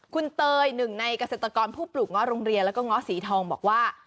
คุณเตยหนึ่งในเกษตรกรผู้ปลูกง้อโรงเรียนแล้วก็ง้อสีทองบอกว่า